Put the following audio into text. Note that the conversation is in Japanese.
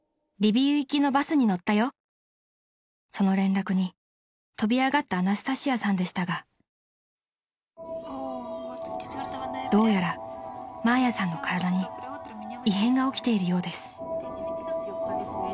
［その連絡に跳び上がったアナスタシアさんでしたがどうやらマーヤさんの体に異変が起きているようです］